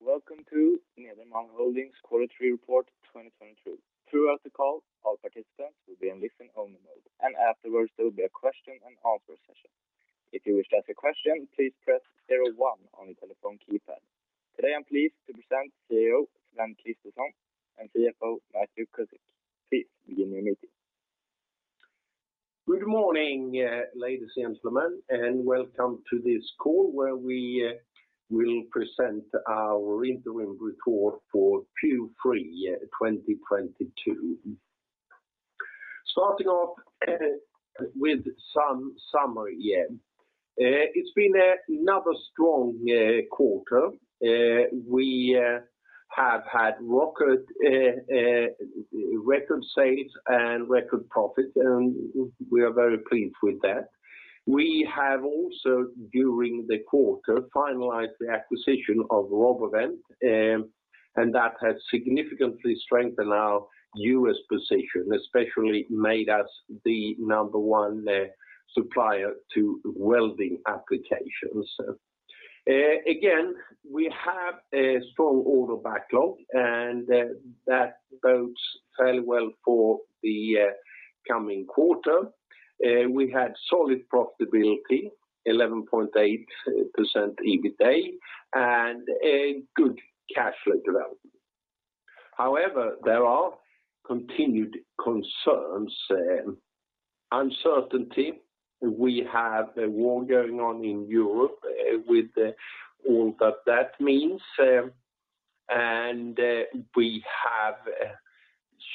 Welcome to Nederman Holding Quarter 3 Report 2022. Throughout the call, all participants will be in listen-only mode, and afterwards there will be a question and answer session. If you wish to ask a question, please press zero one on your telephone keypad. Today, I'm pleased to present CEO Sven Kristensson and CFO Matthew Cusick. Please begin your meeting. Good morning, ladies and gentlemen, and welcome to this call where we will present our interim report for Q3 2022. Starting off with some summary. It's been another strong quarter. We have had record sales and record profit, and we are very pleased with that. We have also, during the quarter, finalized the acquisition of RoboVent, and that has significantly strengthened our US position, especially made us the number one supplier to welding applications. Again, we have a strong order backlog, and that bodes fairly well for the coming quarter. We had solid profitability, 11.8% EBITA, and a good cash flow development. However, there are continued concerns, uncertainty. We have a war going on in Europe with all that that means, and we have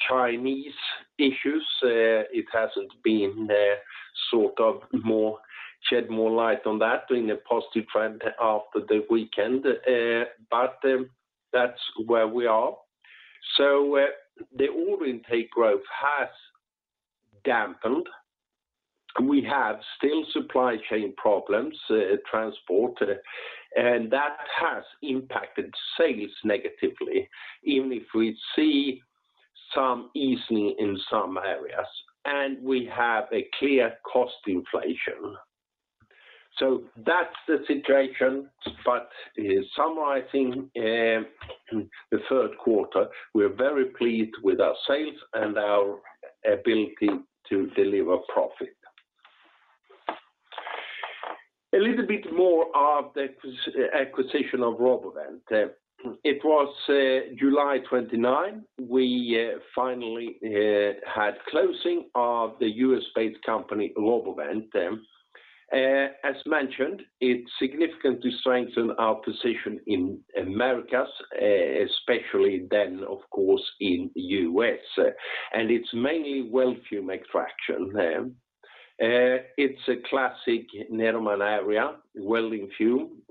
Chinese issues. It hasn't been shed more light on that during a positive trend after the weekend, but that's where we are. The order intake growth has dampened. We have still supply chain problems, transport, and that has impacted sales negatively, even if we see some easing in some areas, and we have a clear cost inflation. That's the situation. Summarizing the third quarter, we are very pleased with our sales and our ability to deliver profit. A little bit more of the acquisition of RoboVent. It was July 29, we finally had closing of the U.S.-based company, RoboVent. As mentioned, it significantly strengthened our position in Americas, especially then, of course, in U.S. It's mainly weld fume extraction. It's a classic Nederman area, welding fume,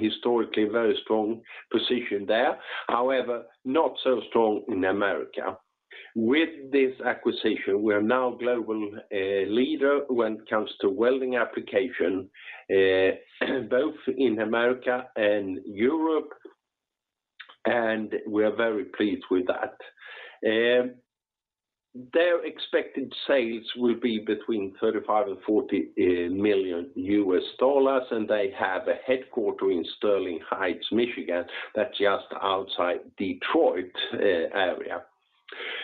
historically very strong position there. However, not so strong in America. With this acquisition, we are now global leader when it comes to welding application, both in America and Europe, and we are very pleased with that. Their expected sales will be between $35 million and $40 million, and they have a headquarters in Sterling Heights, Michigan. That's just outside Detroit area.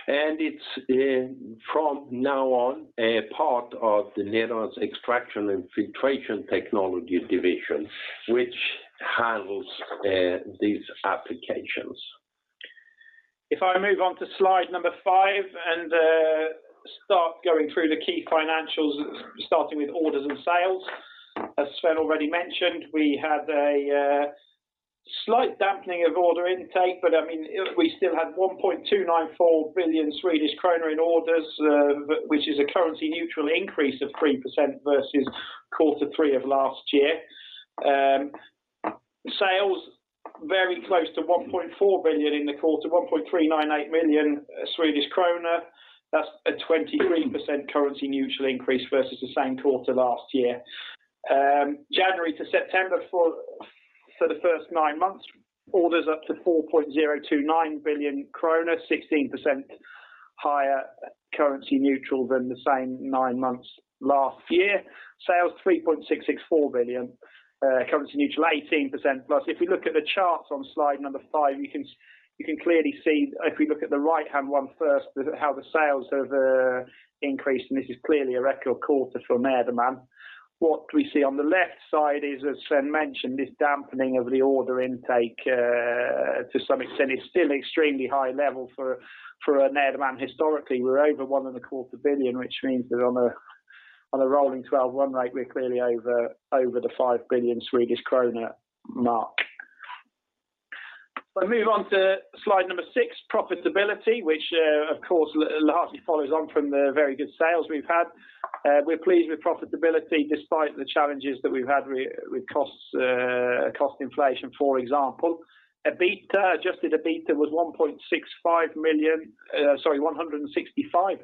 It's from now on a part of the Nederman's Extraction & Filtration Technology division, which handles these applications. If I move on to slide five and start going through the key financials, starting with orders and sales. As Sven already mentioned, we had a slight dampening of order intake, but I mean, we still had 1.294 billion Swedish kronor in orders, which is a currency neutral increase of 3% versus quarter three of last year. Sales very close to 1.4 billion in the quarter, 1.398 billion Swedish krona. That's a 23% currency neutral increase versus the same quarter last year. January to September for the first nine months, orders up to 4.029 billion krona, 16% higher currency neutral than the same nine months last year. Sales, 3.664 billion, currency neutral, 18%+. If you look at the charts on slide five, you can clearly see, if we look at the right-hand one first, how the sales have increased, and this is clearly a record quarter for Nederman. What we see on the left side is, as Sven mentioned, this dampening of the order intake, to some extent, it's still extremely high level for a Nederman historically. We're over 1.25 billion, which means that on a rolling 12-month rate, we're clearly over the 5 billion Swedish krona mark. If I move on to slide six, profitability, which, of course, largely follows on from the very good sales we've had. We're pleased with profitability despite the challenges that we've had with costs, cost inflation, for example. Adjusted EBITDA was 165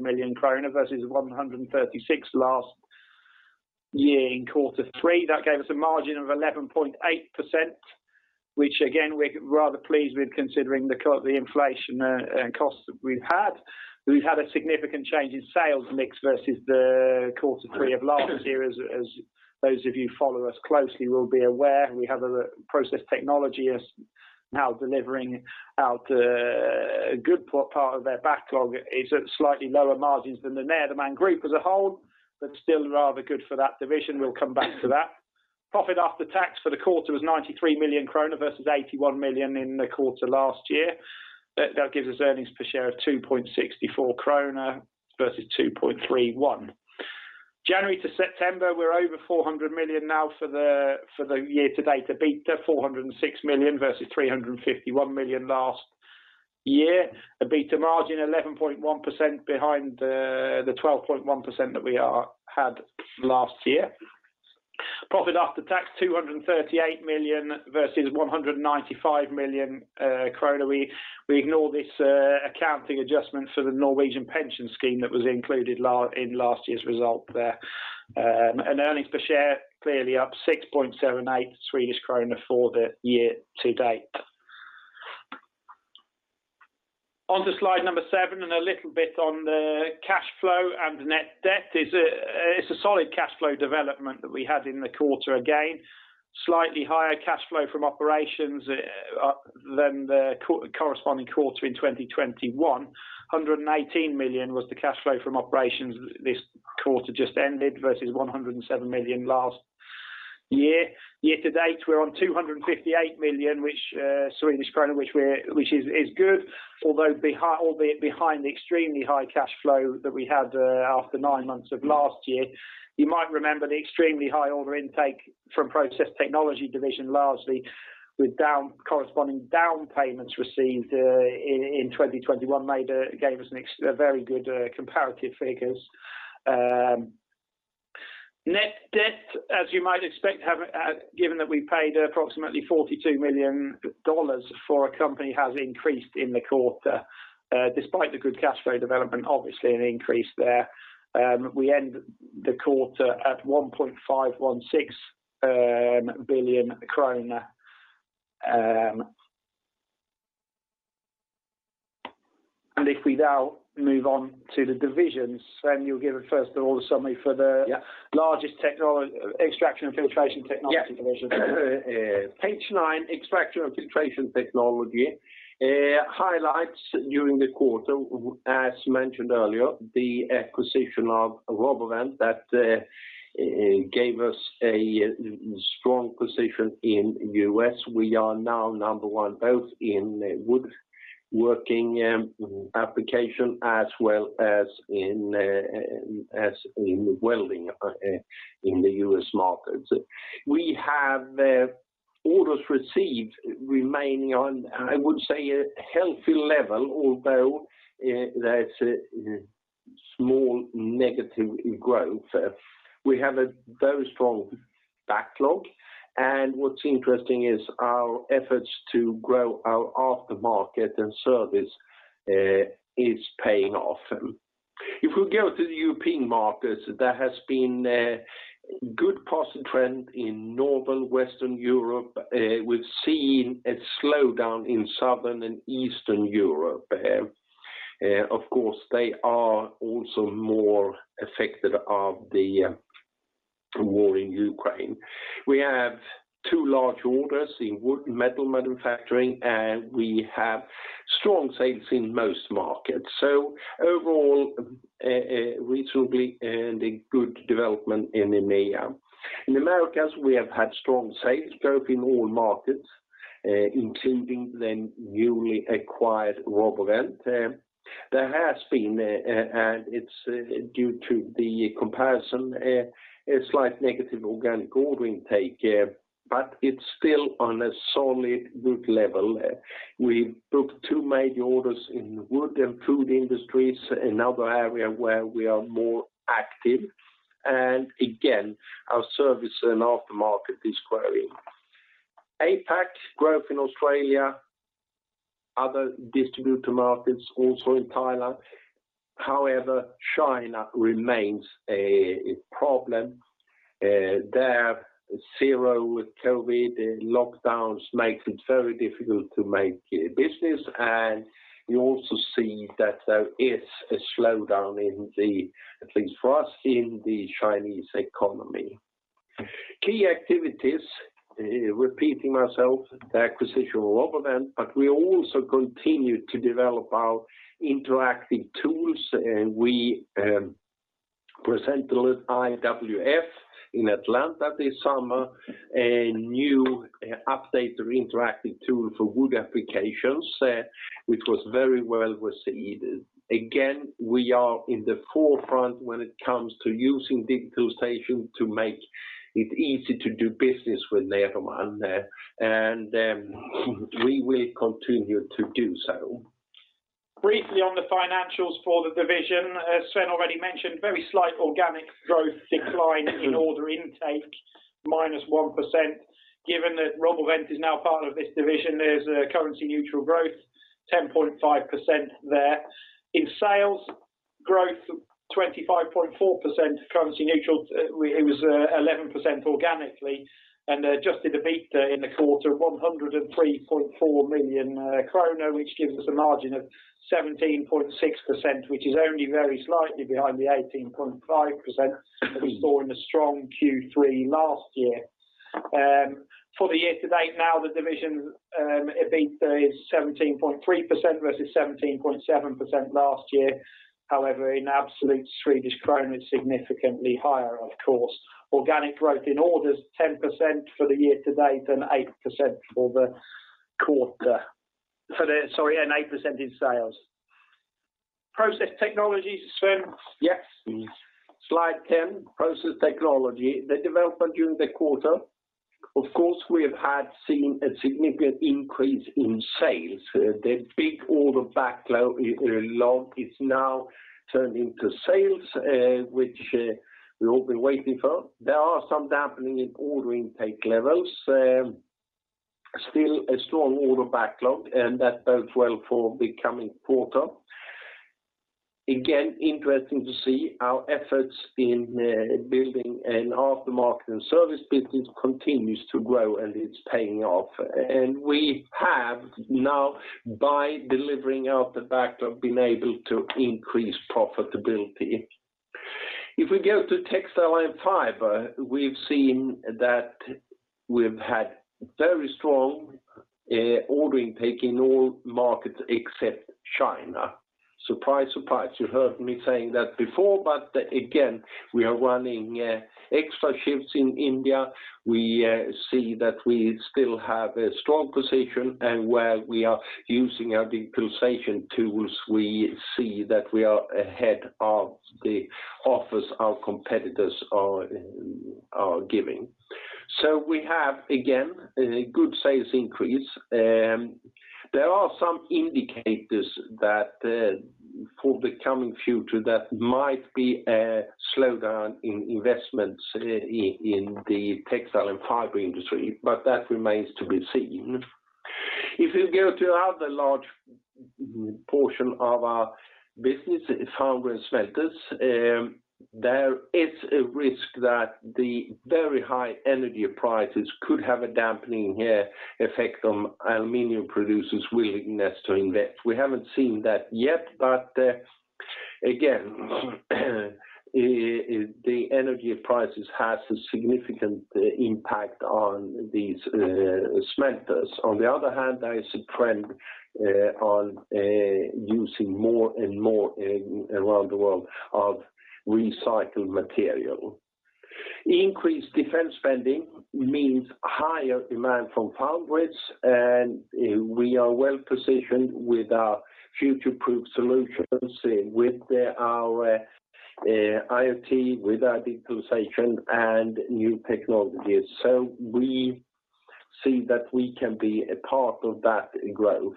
million kronor versus 136 million last year in quarter three. That gave us a margin of 11.8%, which again, we're rather pleased with considering the inflation costs that we've had. We've had a significant change in sales mix versus the quarter three of last year, as those of you who follow us closely will be aware. We have Process Technology as now delivering out a good part of their backlog is at slightly lower margins than Nederman, the main group as a whole, but still rather good for that division. We'll come back to that. Profit after tax for the quarter was 93 million kronor versus 81 million in the quarter last year. That gives us earnings per share of 2.64 kronor versus 2.31. January to September, we're over 400 million now for the year to date, EBITDA 406 million versus 351 million last year. EBITDA margin 11.1% behind the 12.1% that we had last year. Profit after tax 238 million versus 195 million krona. We ignore this accounting adjustment for the Norwegian pension scheme that was included in last year's result there. Earnings per share clearly up 6.78 Swedish krona for the year to date. On to slide number seven and a little bit on the cash flow and net debt. It's a solid cash flow development that we had in the quarter again. Slightly higher cash flow from operations than the corresponding quarter in 2021. 118 million was the cash flow from operations this quarter just ended versus 107 million last year. Year-to-date, we're on 258 million, which is good, albeit behind the extremely high cash flow that we had after nine months of last year. You might remember the extremely high order intake from Process Technology division largely with corresponding down payments received in 2021 made very good comparative figures. Net debt, as you might expect, has, given that we paid approximately $42 million for a company, has increased in the quarter. Despite the good cash flow development, obviously an increase there. We end the quarter at 1.516 billion kronor. If we now move on to the divisions, then you'll give a first order summary for the- Yeah. Extraction & Filtration Technology division. Yeah. Page nine, Extraction & Filtration Technology highlights during the quarter. As mentioned earlier, the acquisition of RoboVent that gave us a strong position in U.S. We are now number one both in woodworking applications as well as in welding in the U.S. markets. We have orders received remaining on, I would say, a healthy level, although that's a small negative growth. We have a very strong backlog, and what's interesting is our efforts to grow our aftermarket and service is paying off. If we go to the European markets, there has been a good positive trend in northern and western Europe. We've seen a slowdown in southern and eastern Europe. Of course, they are also more affected by the war in Ukraine. We have two large orders in wood and metal manufacturing, and we have strong sales in most markets. Overall, reasonably good development in EMEA. In Americas, we have had strong sales growth in all markets, including the newly acquired RoboVent. There has been a slight negative organic order intake, and it's due to the comparison, but it's still on a solid good level. We booked two major orders in wood and food industries, another area where we are more active. Again, our service and aftermarket is growing. APAC, growth in Australia, other distributor markets also in Thailand. However, China remains a problem. Their zero-COVID lockdowns make it very difficult to do business. You also see that there is a slowdown in the economy, at least for us, in the Chinese economy. Key activities, repeating myself, the acquisition of RoboVent, but we also continue to develop our interactive tools. We presented the IWF in Atlanta this summer, a new updated interactive tool for wood applications, which was very well received. Again, we are in the forefront when it comes to using digitalization to make it easy to do business with Nederman. We will continue to do so. Briefly on the financials for the division, as Sven already mentioned, very slight organic growth decline in order intake, -1%. Given that RoboVent is now part of this division, there's a currency neutral growth, 10.5% there. In sales, growth of 25.4% currency neutral. It was eleven percent organically and adjusted EBITDA in the quarter of 103.4 million krona, which gives us a margin of 17.6%, which is only very slightly behind the 18.5% that we saw in the strong Q3 last year. For the year to date now, the division EBITDA is 17.3% versus 17.7% last year. However, in absolute Swedish krona is significantly higher of course. Organic growth in orders 10% for the year to date and 8% for the quarter and 8% in sales. Process Technology, Sven. Yes. Slide 10, Process Technology. The development during the quarter, of course, we have had seen a significant increase in sales. The big order backlog is now turned into sales, which we've all been waiting for. There are some dampening in order intake levels. Still a strong order backlog and that bodes well for the coming quarter. Again, interesting to see our efforts in building an aftermarket and service business continues to grow and it's paying off. We have now, by delivering out the backlog, been able to increase profitability. If we go to textile and fiber, we've seen that we've had very strong order intake in all markets except China. Surprise, surprise. You heard me saying that before, but again, we are running extra shifts in India. We see that we still have a strong position and where we are using our digitalization tools, we see that we are ahead of the offers our competitors are giving. We have, again, a good sales increase. There are some indicators that, for the coming future that might be a slowdown in investments in the textile and fiber industry, but that remains to be seen. If you go to other large portion of our business, it's foundries and smelters. There is a risk that the very high energy prices could have a dampening effect on aluminum producers' willingness to invest. We haven't seen that yet, but again, the energy prices has a significant impact on these smelters. On the other hand, there is a trend on using more and more around the world of recycled material. Increased defense spending means higher demand from foundries, and we are well-positioned with our future-proof solutions, with our IoT, with our digitalization and new technologies. We see that we can be a part of that growth.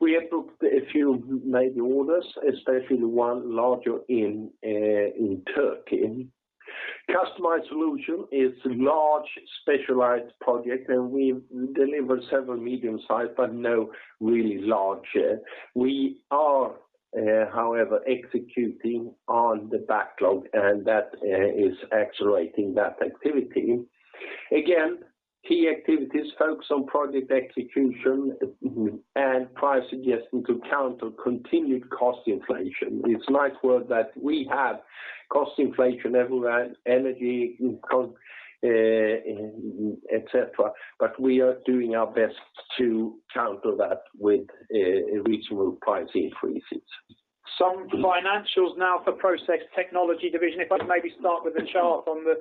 We have booked a few major orders, especially one larger in Turkey. Customized solution is a large specialized project, and we've delivered several medium size, but no really large. We are, however, executing on the backlog and that is accelerating that activity. Again, key activities focus on project execution and price adjustment to counter continued cost inflation. It's nice work that we have cost inflation everywhere, energy cost, et cetera, but we are doing our best to counter that with reasonable price increases. Some financials now for Process Technology division. If I maybe start with the chart on the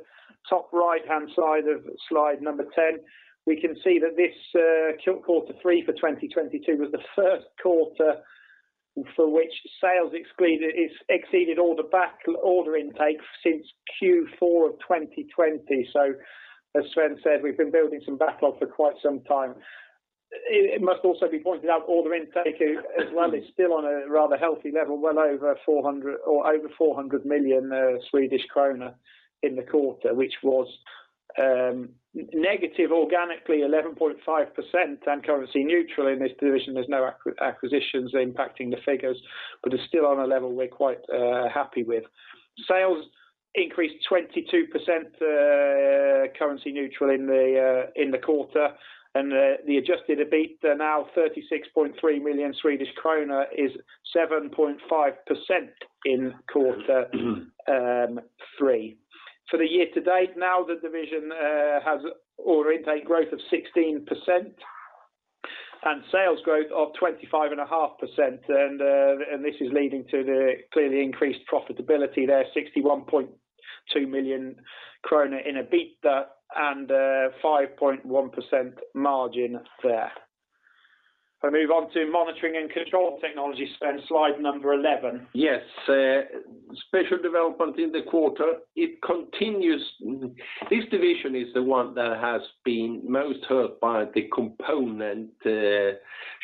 top right-hand side of slide number 10. We can see that this Q3 for 2022 was the first quarter for which sales has exceeded all the back order intake since Q4 of 2020. As Sven said, we've been building some backlog for quite some time. It must also be pointed out order intake as well is still on a rather healthy level, well over 400 million Swedish krona in the quarter, which was negative organically 11.5% and currency neutral in this division. There's no acquisitions impacting the figures, but it's still on a level we're quite happy with. Sales increased 22%, currency neutral in the quarter, and the adjusted EBITA now 36.3 million Swedish kronor, 7.5% in quarter three. For the year to date, now the division has order intake growth of 16% and sales growth of 25.5%, and this is leading to the clearly increased profitability there, 61.2 million kronor in EBITA and a 5.1% margin there. If I move on to Monitoring & Control Technology, Sven, slide 11. Yes. Special development in the quarter, it continues. This division is the one that has been most hurt by the component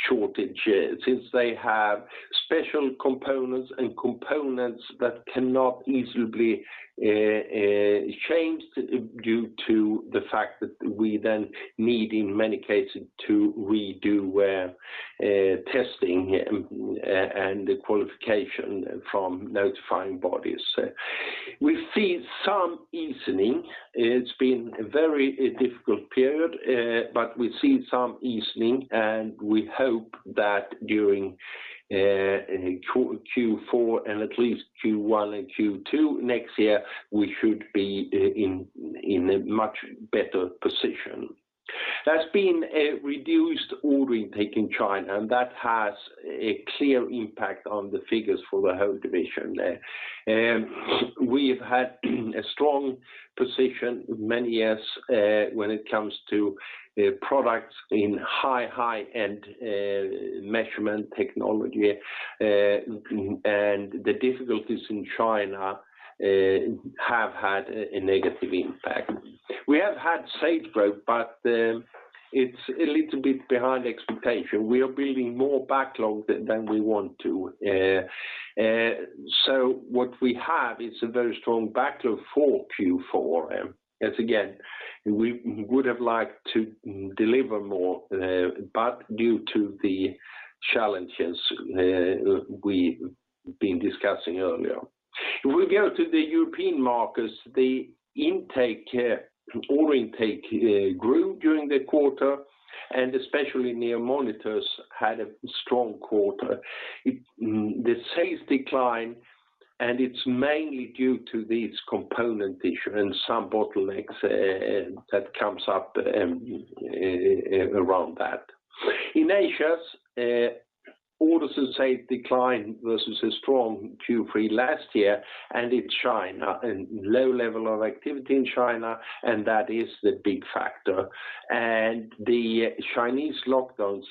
shortage, since they have special components and components that cannot easily be changed due to the fact that we then need in many cases to redo testing and the qualification from notified bodies. We see some easing. It's been a very difficult period, but we see some easing, and we hope that during Q4 and at least Q1 and Q2 next year, we should be in a much better position. There has been a reduced order intake in China, and that has a clear impact on the figures for the whole division there. We've had a strong position many years, when it comes to products in high-end measurement technology. The difficulties in China have had a negative impact. We have had sales growth, but it's a little bit behind expectation. We are building more backlog than we want to. What we have is a very strong backlog for Q4. As again, we would have liked to deliver more, but due to the challenges we've been discussing earlier. If we go to the European markets, order intake grew during the quarter, and especially NEO Monitors had a strong quarter. The sales decline, and it's mainly due to these component issue and some bottlenecks that comes up around that. In Asia, orders and sales declined versus a strong Q3 last year and in China, and low level of activity in China, and that is the big factor. The Chinese lockdowns,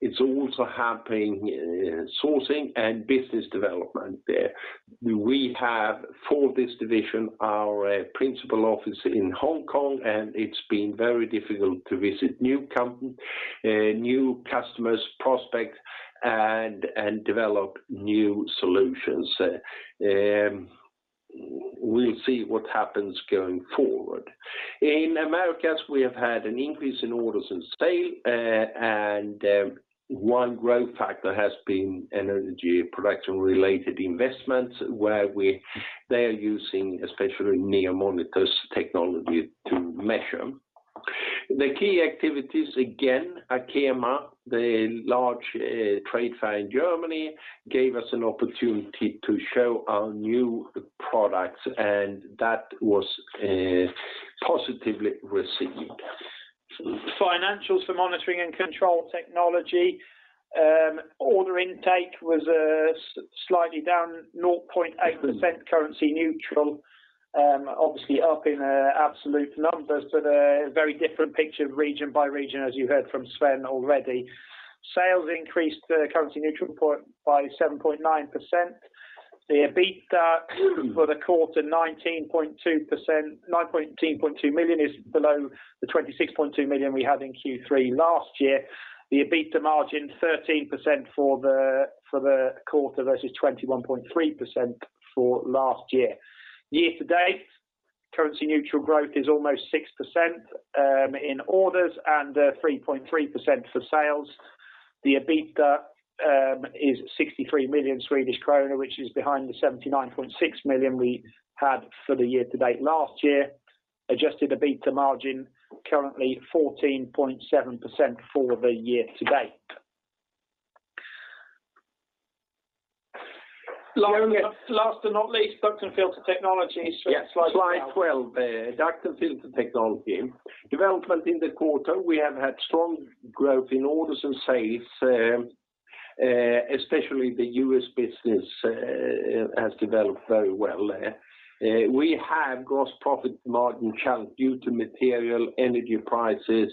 it's also happening, sourcing and business development there. We have for this division our principal office in Hong Kong, and it's been very difficult to visit new customers, prospects, and develop new solutions. We'll see what happens going forward. In Americas, we have had an increase in orders and sales, and one growth factor has been energy production related investments, where they are using especially NEO Monitors technology to measure. The key activities, again, ACHEMA, the large trade fair in Germany, gave us an opportunity to show our new products, and that was positively received. Financials for Monitoring & Control Technology. Order intake was slightly down 0.8% currency neutral, obviously up in absolute numbers, but very different picture region by region, as you heard from Sven already. Sales increased, currency neutral, by 7.9%. The EBITDA for the quarter, 19.2 million, is below the 26.2 million we had in Q3 last year. The EBITDA margin, 13% for the quarter versus 21.3% for last year. Year to date, currency neutral growth is almost 6% in orders and 3.3% for sales. The EBITDA is 63 million Swedish krona, which is behind the 79.6 million we had for the year to date last year. Adjusted EBITDA margin, currently 14.7% for the year to date. Last but not least, Duct & Filter Technology. Yeah. Slide 12. Duct & Filter Technology. Development in the quarter, we have had strong growth in orders and sales. Especially the U.S. business has developed very well. We have gross profit margin challenge due to material, energy prices,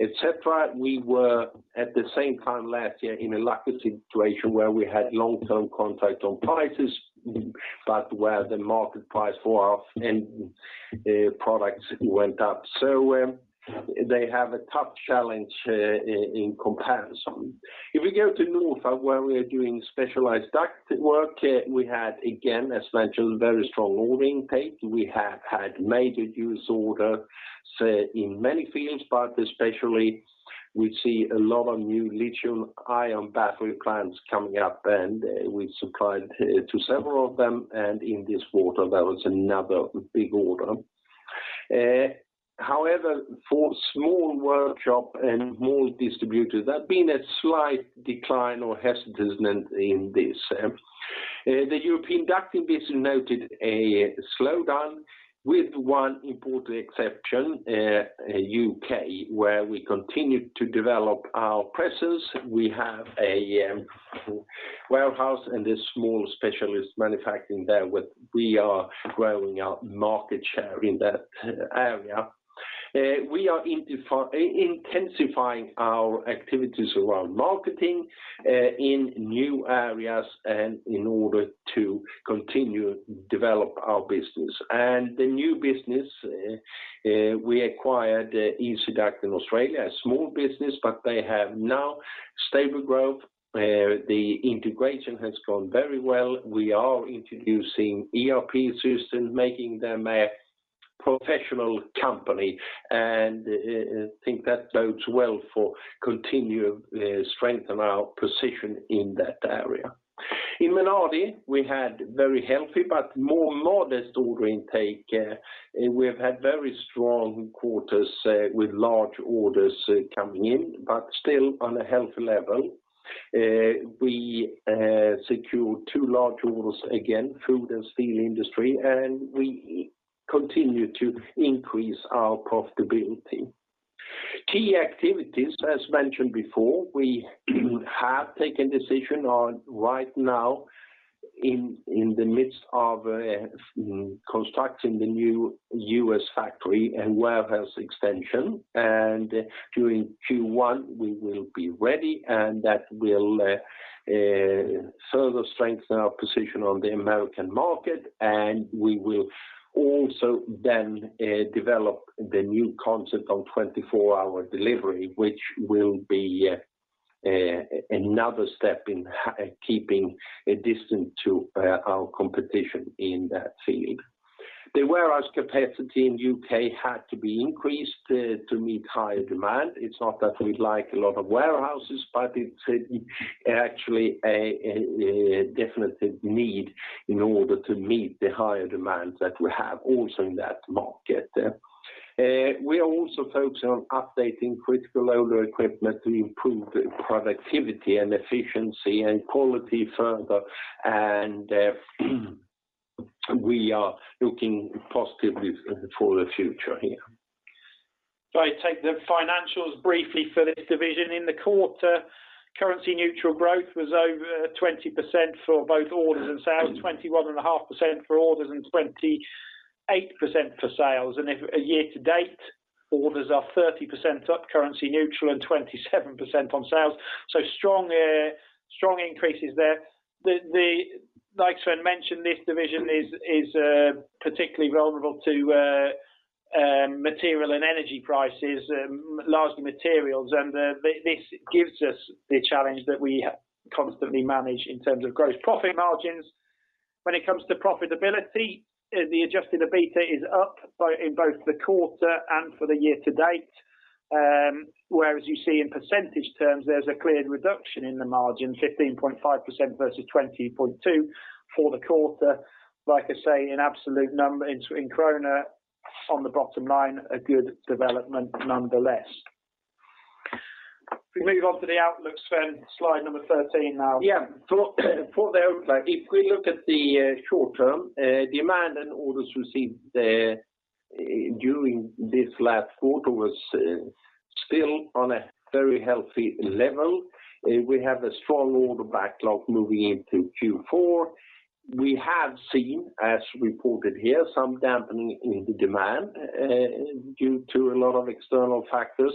et cetera. We were at the same time last year in a lucky situation where we had long-term contract on prices, but where the market price for our end products went up. They have a tough challenge in comparison. If we go to Nordfab, where we are doing specialized duct work, we had again, as mentioned, very strong ordering intake. We have had major orders in many fields, but especially we see a lot of new lithium ion battery plants coming up, and we supplied to several of them. In this quarter, there was another big order. However, for small workshop and mold distributors, there's been a slight decline or hesitancy in this. The European ducting business noted a slowdown with one important exception, U.K., where we continue to develop our presence. We have a warehouse and a small specialist manufacturing there. We are growing our market share in that area. We are intensifying our activities around marketing in new areas and in order to continue develop our business. The new business we acquired, Ezi-Duct in Australia, a small business, but they have now stable growth. The integration has gone very well. We are introducing ERP systems, making them a professional company. We think that bodes well for continue strengthen our position in that area. In Nederman, we had very healthy but more modest order intake. We have had very strong quarters with large orders coming in, but still on a healthy level. We secured two large orders again, food and steel industry, and we continue to increase our profitability. Key activities, as mentioned before, we have taken decision on right now in the midst of constructing the new U.S. factory and warehouse extension, and during Q1, we will be ready, and that will further strengthen our position on the American market. We will also then develop the new concept on 24-hour delivery, which will be another step in keeping a distance to our competition in that field. The warehouse capacity in U.K. had to be increased to meet higher demand. It's not that we like a lot of warehouses, but it's actually a definitive need in order to meet the higher demand that we have also in that market. We are also focused on updating critical older equipment to improve the productivity and efficiency and quality further, and we are looking positively for the future here. If I take the financials briefly for this division. In the quarter, currency neutral growth was over 20% for both orders and sales, 21.5% for orders, and 28% for sales. Year-to-date, orders are 30% up, currency neutral and 27% on sales. Strong increases there. Like Sven mentioned, this division is particularly vulnerable to material and energy prices, largely materials. This gives us the challenge that we constantly manage in terms of gross profit margins. When it comes to profitability, the adjusted EBITDA is up in both the quarter and for the year to date. Whereas you see in percentage terms, there's a clear reduction in the margin, 15.5% versus 20.2% for the quarter. Like I say, in absolute number in krona on the bottom line, a good development nonetheless. If we move on to the outlook, Sven, slide number 13 now. Yeah. For the outlook, if we look at the short term, demand and orders received during this last quarter was still on a very healthy level. We have a strong order backlog moving into Q4. We have seen, as reported here, some dampening in the demand due to a lot of external factors.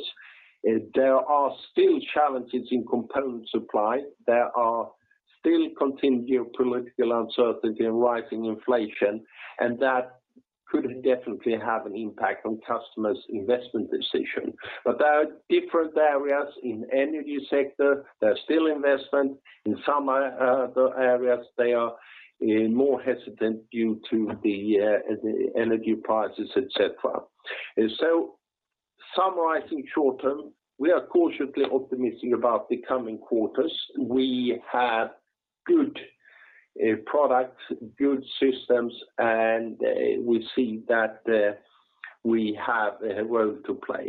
There are still challenges in component supply. There are still continued geopolitical uncertainty and rising inflation, and that could definitely have an impact on customers' investment decision. But there are different areas in energy sector, there are still investment. In some areas they are more hesitant due to the energy prices, et cetera. Summarizing short term, we are cautiously optimistic about the coming quarters. We have good products, good systems, and we see that we have a role to play.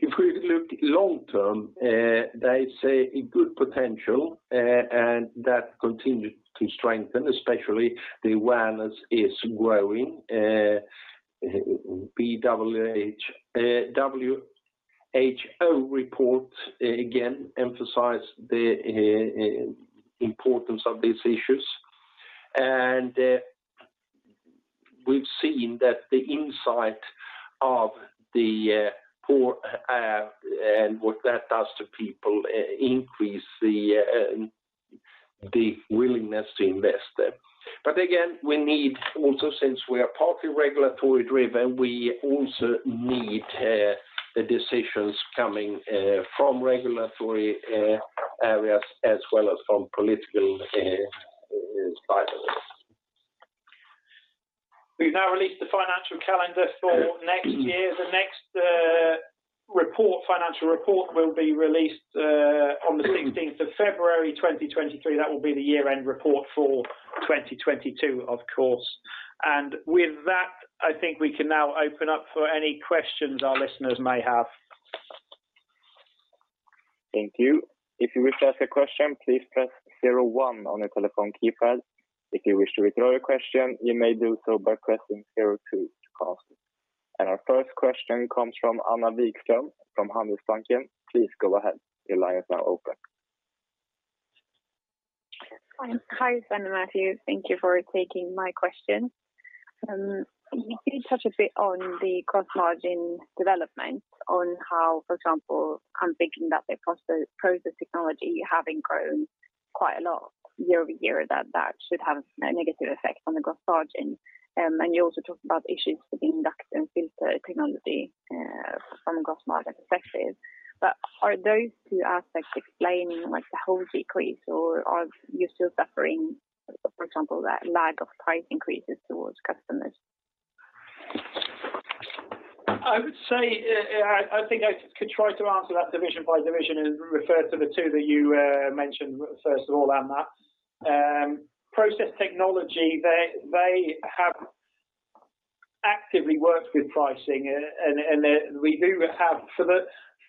If we look long term, there is a good potential, and that continue to strengthen, especially the awareness is growing. WHO report, again, emphasize the importance of these issues. We've seen that the insight of the poor air and what that does to people increase the willingness to invest. Again, we need also, since we are partly regulatory driven, we also need the decisions coming from regulatory areas as well as from political sponsors. We've now released the financial calendar for next year. The next financial report will be released on February 16, 2023. That will be the year-end report for 2022, of course. With that, I think we can now open up for any questions our listeners may have. Thank you. If you wish to ask a question, please press zero one on your telephone keypad. If you wish to withdraw your question, you may do so by pressing zero two to cancel. Our first question comes from Anna Wikström from Handelsbanken. Please go ahead. Your line is now open. Hi, Sven and Matthew. Thank you for taking my question. You did touch a bit on the gross margin development on how, for example, I'm thinking that the Process Technology having grown quite a lot year-over-year, that should have a negative effect on the gross margin. You also talked about issues with the Duct & Filter Technology from a gross margin perspective. Are those two aspects explaining like the whole decrease or are you still suffering, for example, that lack of price increases towards customers? I would say, I think I could try to answer that division by division and refer to the two that you mentioned first of all, Anna. Process Technology, they actively work with pricing and we do have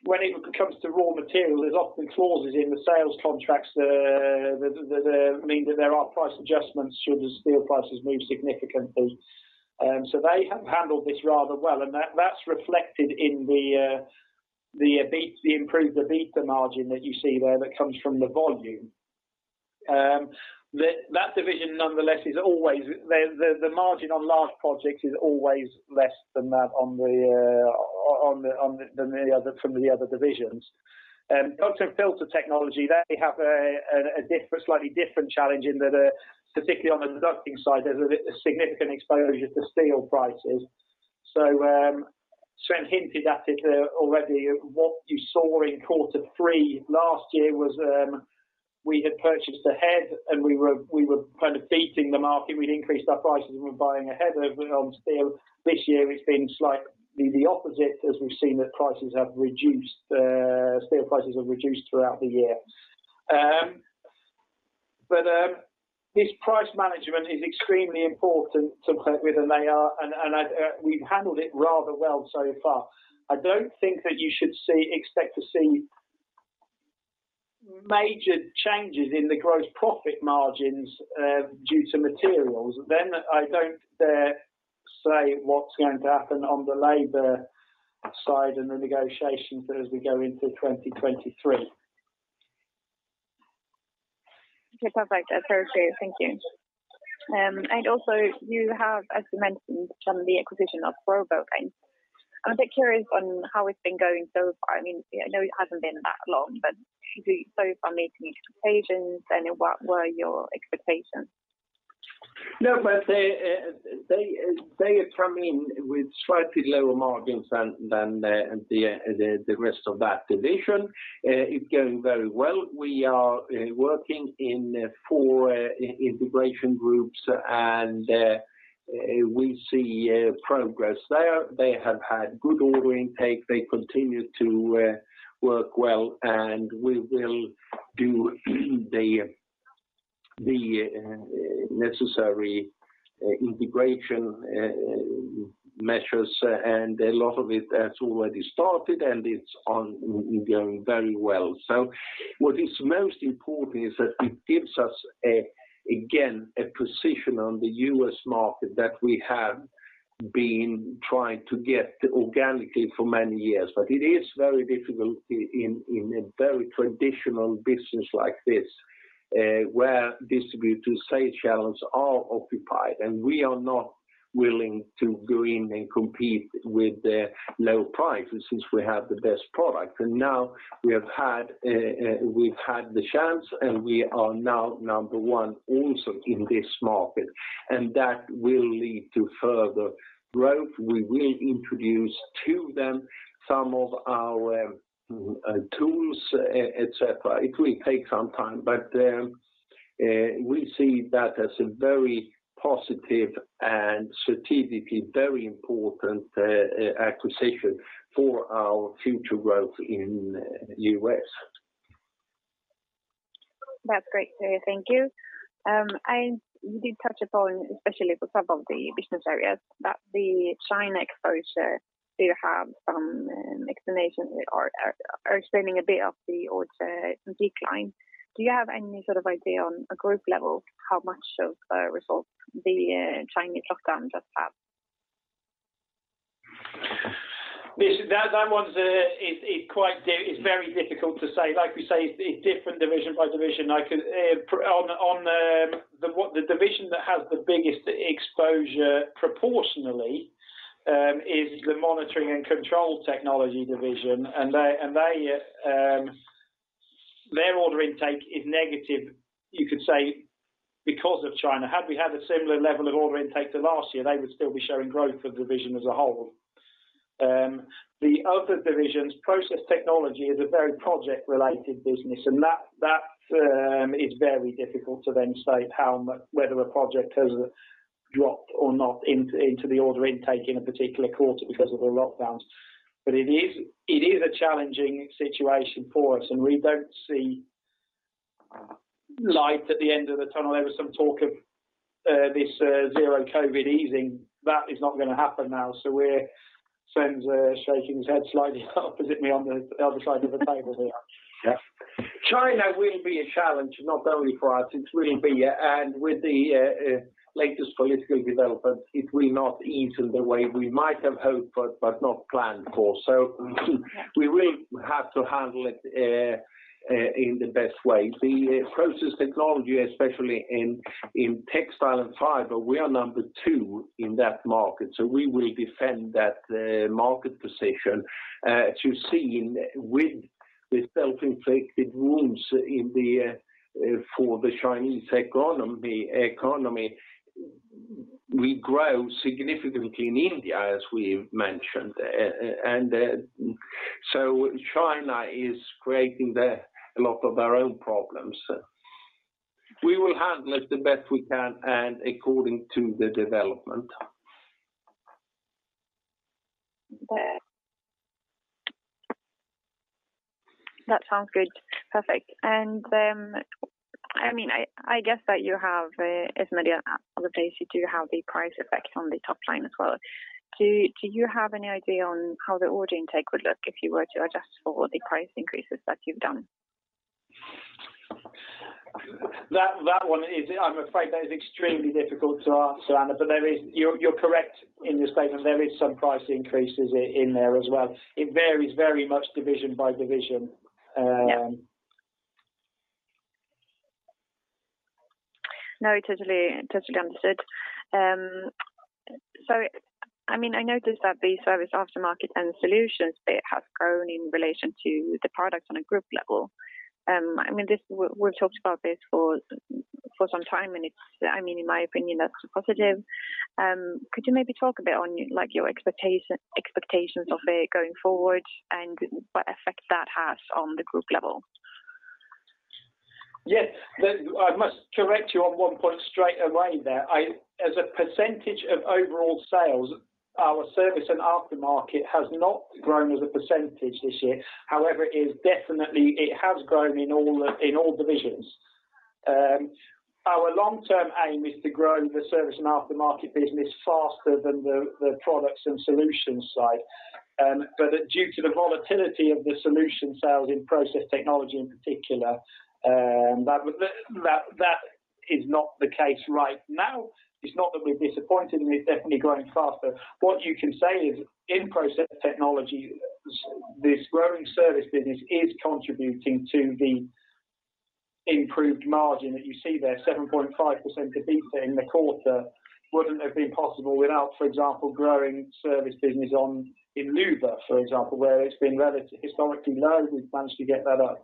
when it comes to raw material, there's often clauses in the sales contracts that mean that there are price adjustments should the steel prices move significantly. So they have handled this rather well, and that's reflected in the improved EBITDA margin that you see there that comes from the volume. That division nonetheless is always the margin on large projects is always less than that on the other divisions. Duct & Filter Technology, they have a different challenge in that, particularly on the ducting side, there's a significant exposure to steel prices. Sven hinted at it already. What you saw in quarter three last year was, we had purchased ahead, and we were kind of beating the market. We'd increased our prices, and we were buying ahead of it on steel. This year it's been slightly the opposite as we've seen that prices have reduced. Steel prices have reduced throughout the year. This price management is extremely important to compete with, and we've handled it rather well so far. I don't think that you should expect to see major changes in the gross profit margins due to materials. I don't dare say what's going to happen on the labor side and the negotiations as we go into 2023. Okay, perfect. That's very clear. Thank you. Also you have, as you mentioned, some of the acquisition of RoboVent. I'm a bit curious on how it's been going so far. I mean, I know it hasn't been that long, but so far meeting your expectations, and what were your expectations? No, but they have come in with slightly lower margins than the rest of that division. It's going very well. We are working in four integration groups, and we see progress there. They have had good order intake. They continue to work well, and we will do the necessary integration measures. A lot of it has already started, and it's ongoing very well. What is most important is that it gives us, again, a position on the U.S. market that we have been trying to get organically for many years. It is very difficult in a very traditional business like this, where distributor sales channels are occupied, and we are not willing to go in and compete with the low prices since we have the best product. Now we've had the chance, and we are now number one also in this market, and that will lead to further growth. We will introduce to them some of our tools, et cetera. It will take some time, but we see that as a very positive and strategically very important acquisition for our future growth in U.S. That's great. Thank you. You did touch upon, especially for some of the business areas, that the China exposure do have some explanations or are explaining a bit of the order decline. Do you have any sort of idea on a group level how much of a result the Chinese lockdown does have? That one's very difficult to say. Like we say, it's different division by division. The division that has the biggest exposure proportionally is the Monitoring & Control Technology division. Their order intake is negative, you could say, because of China. Had we had a similar level of order intake to last year, they would still be showing growth of division as a whole. The other divisions, Process Technology is a very project related business, and that is very difficult to then state whether a project has dropped or not into the order intake in a particular quarter because of the lockdowns. It is a challenging situation for us, and we don't see light at the end of the tunnel. There was some talk of this zero COVID easing. That is not gonna happen now. Sven's shaking his head slightly opposite me on the other side of the table here. China will be a challenge, not only for us. It will be, and with the latest political developments, it will not ease in the way we might have hoped but not planned for. We will have to handle it in the best way. The Process Technology, especially in textile and fiber, we are number two in that market, so we will defend that market position. As you've seen with the self-inflicted wounds in the Chinese economy, we grow significantly in India, as we've mentioned. China is creating a lot of our own problems. We will handle it the best we can and according to the development. That sounds good. Perfect. I mean, I guess that you have as many other days you do have the price effect on the top line as well. Do you have any idea on how the order intake would look if you were to adjust for the price increases that you've done? I'm afraid that is extremely difficult to answer, Ana. You're correct in your statement. There is some price increases in there as well. It varies very much division by division. No, totally understood. I mean, I noticed that the service aftermarket and solutions bit has grown in relation to the products on a group level. I mean, this. We've talked about this for some time, and it's I mean, in my opinion, that's a positive. Could you maybe talk a bit on, like, your expectations of it going forward and what effect that has on the group level? Yes. I must correct you on one point straight away there. As a percentage of overall sales, our service and aftermarket has not grown as a percentage this year. However, it has definitely grown in all divisions. Our long term aim is to grow the service and aftermarket business faster than the products and solutions side. Due to the volatility of the solution sales in Process Technology in particular, that is not the case right now. It's not that we're disappointed, and it's definitely growing faster. What you can say is in Process Technology, this growing service business is contributing to the improved margin that you see there. 7.5% EBITDA in the quarter wouldn't have been possible without, for example, growing service business in Luwa, for example, where it's been relatively historically low. We've managed to get that up.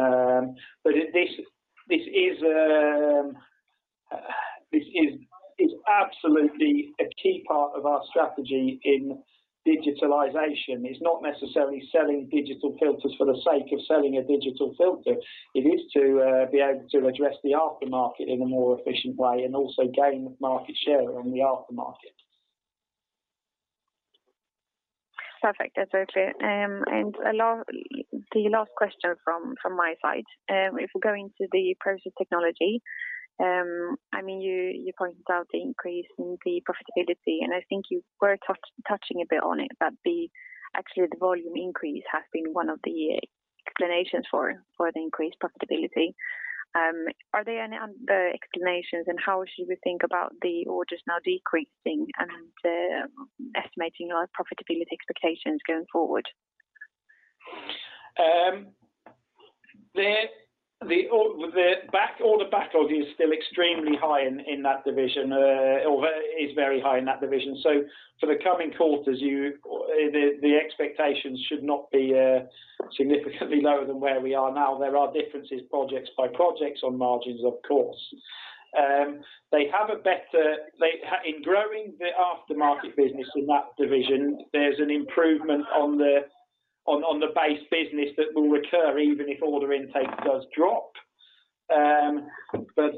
This is absolutely a key part of our strategy in digitalization. It's not necessarily selling digital filters for the sake of selling a digital filter. It is to be able to address the aftermarket in a more efficient way and also gain market share in the aftermarket. Perfect. That's very clear. The last question from my side. If we go into the Process Technology, I mean, you pointed out the increase in the profitability, and I think you were touching a bit on it, that actually the volume increase has been one of the explanations for the increased profitability. Are there any other explanations and how should we think about the orders now decreasing and then estimating your profitability expectations going forward? The order backlog is still extremely high in that division or is very high in that division. For the coming quarters, the expectations should not be significantly lower than where we are now. There are differences project by project on margins of course. In growing the aftermarket business in that division, there's an improvement on the base business that will recur even if order intake does drop. That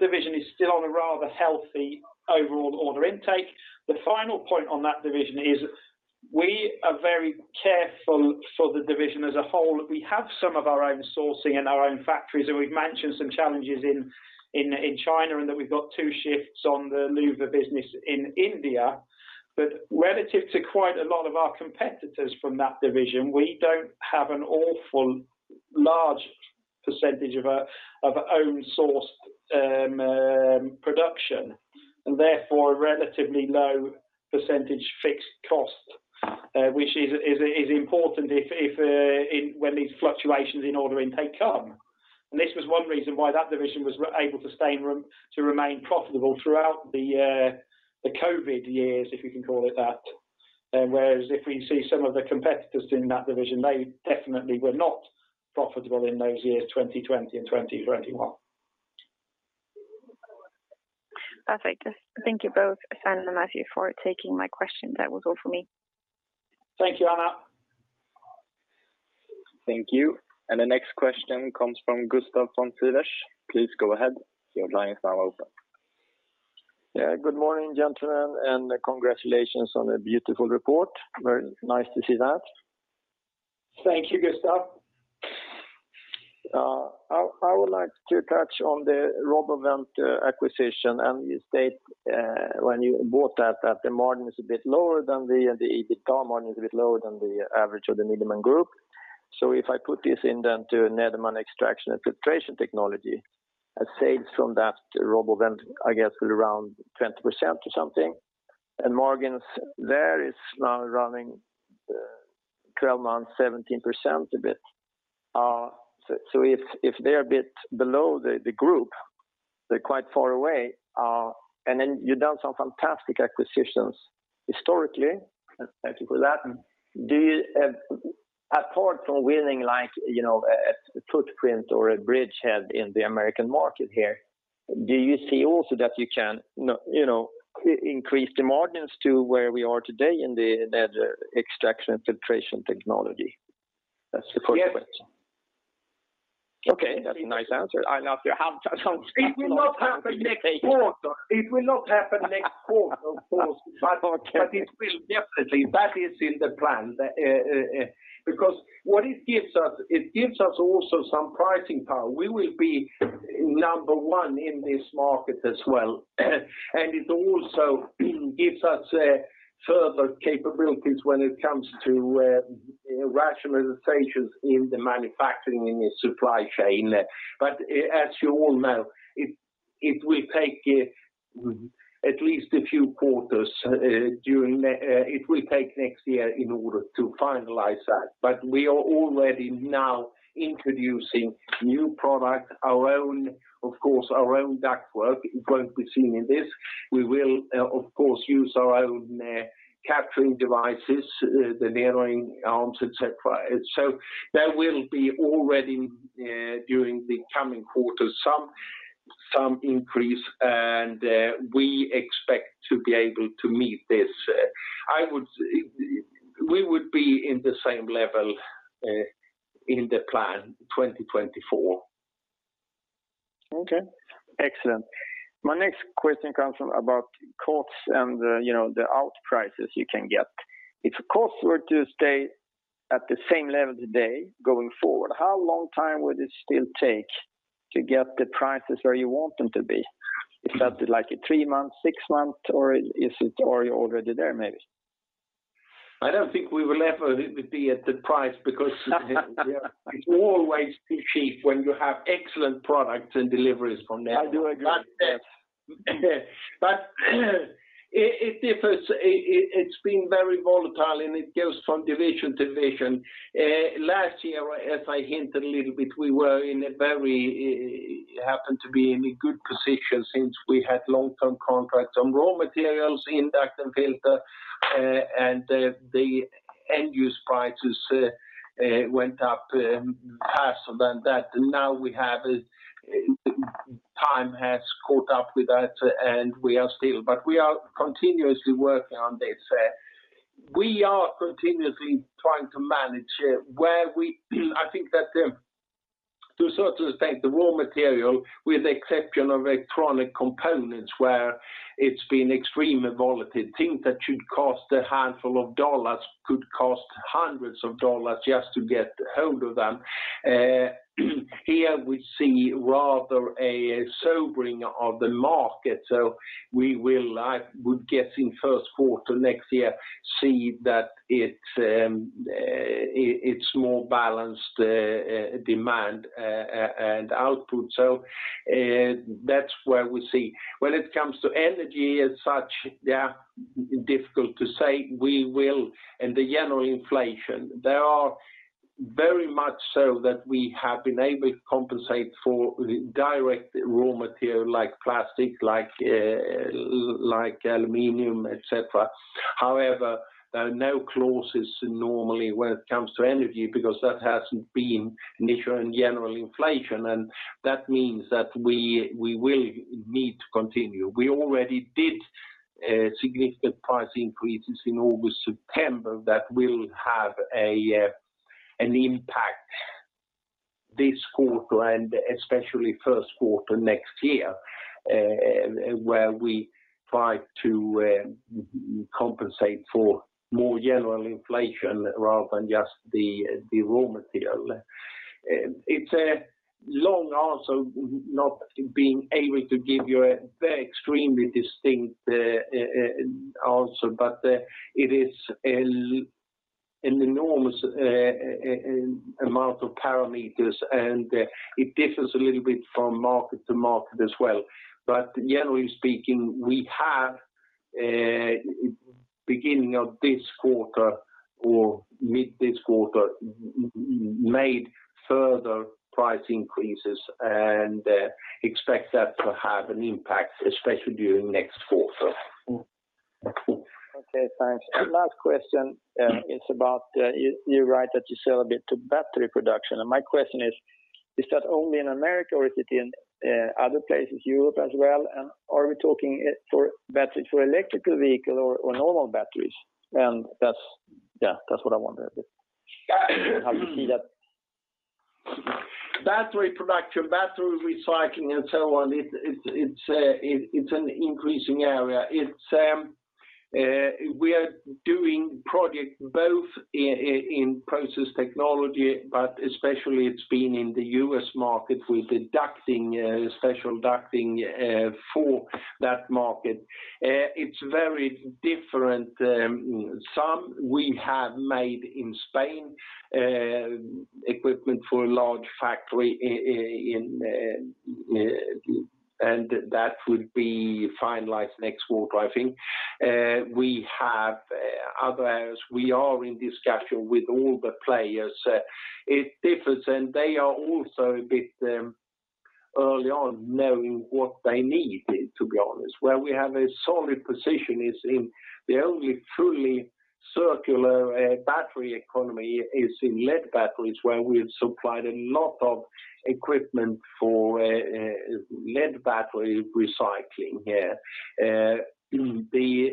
division is still on a rather healthy overall order intake. The final point on that division is we are very careful for the division as a whole. We have some of our own sourcing and our own factories, and we've mentioned some challenges in China, and that we've got two shifts on the Luwa business in India. Relative to quite a lot of our competitors from that division, we don't have an awful large percentage of own sourced production and therefore a relatively low percentage fixed cost, which is important when these fluctuations in order intake come. This was one reason why that division was able to stay and to remain profitable throughout the Covid years, if you can call it that. Whereas if we see some of the competitors in that division, they definitely were not profitable in those years, 2020 and 2021. Perfect. Thank you both, Sven and Matthew for taking my questions. That was all for me. Thank you, Anna. Thank you. The next question comes from Gustav Österberg. Please go ahead. Your line is now open. Yeah. Good morning, gentlemen, and congratulations on a beautiful report. Very nice to see that. Thank you, Gustav. I would like to touch on the RoboVent acquisition. You state when you bought that the EBITDA margin is a bit lower than the average of the Nederman Group. If I put this in then to Nederman Extraction & Filtration Technology, a sales from that RoboVent I guess is around 20% or something, and margins there is now running 12 months 17% a bit. If they're a bit below the group, they're quite far away. You've done some fantastic acquisitions historically. Thank you for that. Do you apart from winning, like, you know, a footprint or a bridgehead in the American market here, do you see also that you can, you know, increase the margins to where we are today in the Nederman Extraction & Filtration Technology? That's the first question. Okay, that's a nice answer. I love your It will not happen next quarter, of course. Okay. It will definitely, that is in the plan because what it gives us, it gives us also some pricing power. We will be number one in this market as well. It also gives us further capabilities when it comes to rationalizations in the manufacturing and the supply chain. As you all know, it will take at least a few quarters. It will take next year in order to finalize that. We are already now introducing new product, our own, of course, our own ductwork. It won't be seen in this. We will, of course, use our own capturing devices, the Nederman arms, et cetera. There will be already during the coming quarters some increase, and we expect to be able to meet this. We would be in the same level in the plan 2024. Okay, excellent. My next question is about costs and, you know, the output prices you can get. If costs were to stay at the same level today going forward, how long time would it still take to get the prices where you want them to be? Is that like three months, six months, or is it already there maybe? I don't think we will ever be at the price. It's always too cheap when you have excellent products and deliveries from there. I do agree. It differs. It's been very volatile, and it goes from division to division. Last year, as I hinted a little bit, we were in a very good position since we had long-term contracts on raw materials in Duct & Filter, and the end-user prices went up faster than that. Time has caught up with that, and we are still. We are continuously working on this. We are continuously trying to manage. I think that, to a certain extent, the raw material, with the exception of electronic components, where it's been extremely volatile, things that should cost a handful of dollars could cost hundreds of dollars just to get a hold of them. Here we see rather a sobering of the market. We will, I would guess in first quarter next year, see that it's more balanced demand and output. That's where we see. When it comes to energy as such, difficult to say. In the general inflation, there are very much so that we have been able to compensate for the direct raw material like plastic, like aluminum, et cetera. However, there are no clauses normally when it comes to energy because that hasn't been initial and general inflation, and that means that we will need to continue. We already did significant price increases in August, September that will have an impact this quarter and especially first quarter next year, and where we try to compensate for more general inflation rather than just the raw material. It's a long answer, not being able to give you a very extremely distinct answer, but it is an enormous amount of parameters, and it differs a little bit from market to market as well. Generally speaking, we have beginning of this quarter or mid this quarter made further price increases and expect that to have an impact, especially during next quarter. Okay, thanks. Last question is about you wrote that you sell a bit to battery production. My question is that only in America or is it in other places, Europe as well? Are we talking for battery for electric vehicle or normal batteries? That's, yeah, that's what I wonder. How do you see that? Battery production, battery recycling, and so on, it's an increasing area. It's we are doing project both in Process Technology, but especially it's been in the U.S. market with the ducting, special ducting, for that market. It's very different. Some we have made in Spain, equipment for a large factory in, and that would be finalized next quarter, I think. We have others. We are in discussion with all the players. It differs, and they are also a bit early on knowing what they need, to be honest. Where we have a solid position is in the only truly circular, battery economy is in lead batteries, where we have supplied a lot of equipment for, lead battery recycling, yeah. The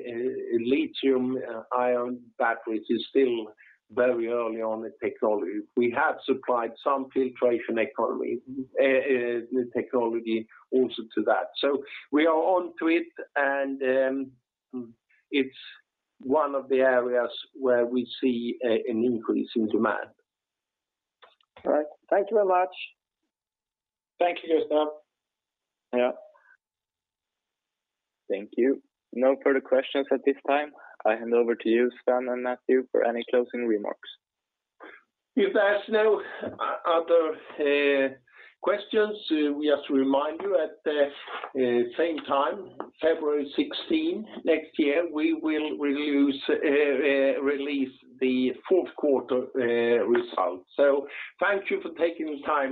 lithium ion batteries is still very early on in technology. We have supplied some Extraction & Filtration Technology also to that. We are on to it and it's one of the areas where we see an increase in demand. All right. Thank you very much. Thank you, Gustav. Yeah. Thank you. No further questions at this time. I hand over to you, Sven and Matthew, for any closing remarks. If there's no other questions, we have to remind you at the same time, February 16 next year, we will release the fourth quarter results. Thank you for taking the time.